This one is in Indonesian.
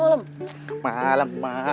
ngapain kesini malem malem